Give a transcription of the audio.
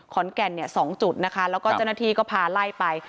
ขอนแก่นเนี่ย๒จุดนะคะแล้วก็เจ้าหน้าที่ก็พาไล่ไป